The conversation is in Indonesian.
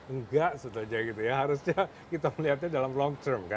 enggak sebetulnya gitu ya harusnya kita melihatnya dalam long term kan